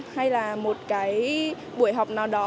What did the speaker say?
hay là một cái buổi học nào đó